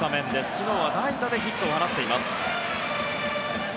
昨日は代打でヒットを放っています。